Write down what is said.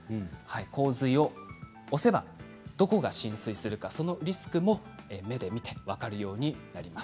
洪水を押せばどこが浸水するかリスクも目で見て分かるようになります。